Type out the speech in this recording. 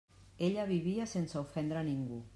Ella vivia sense ofendre a ningú.